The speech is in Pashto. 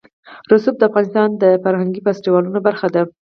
رسوب د افغانستان د فرهنګي فستیوالونو برخه ده.